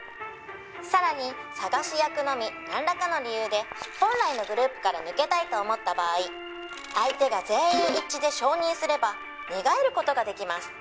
「さらに探し役のみなんらかの理由で本来のグループから抜けたいと思った場合相手が全員一致で承認すれば寝返る事ができます」